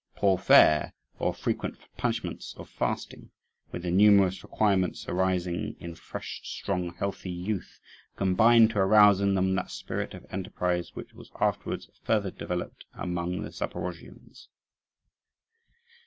Poor fare, or frequent punishments of fasting, with the numerous requirements arising in fresh, strong, healthy youth, combined to arouse in them that spirit of enterprise which was afterwards further developed among the Zaporozhians.